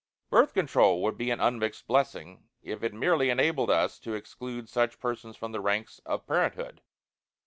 Birth Control would be an unmixed blessing if it merely enabled us to exclude such persons from the ranks of parenthood.